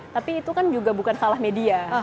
tapi itu kan juga bukan salah media